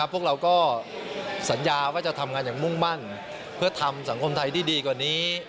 พวกเราก็สัญญาว่าจะทำงานอย่างมุ่งมั่นเพื่อทำสังคมไทยที่ดีกว่านี้